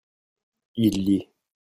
il lit.